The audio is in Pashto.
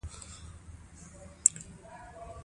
افغانستان د ښارونه د ساتنې لپاره قوانین لري.